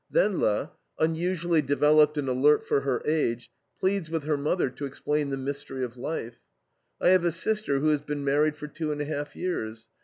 Wendla, unusually developed and alert for her age, pleads with her mother to explain the mystery of life: "I have a sister who has been married for two and a half years.